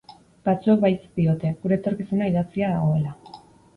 Batzuek baietz diote, gure etorkizuna idatzia dagoela.